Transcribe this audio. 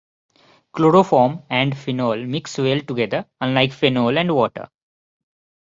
Chloroform and phenol mix well together, unlike phenol and water.